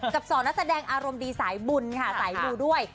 กับสองนักแสดงอารมณ์ดีสายบุญค่ะสายมูด้วย